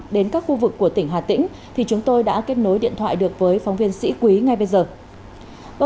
đến các khu vực của tỉnh hà tĩnh thì chúng tôi đã kết nối điện thoại được với phóng viên sĩ quý ngay bây giờ